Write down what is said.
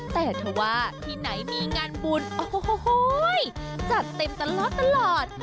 แต่ถ้าว่าที่ไหนมีงานบุญโอ้โหจัดเต็มตลอด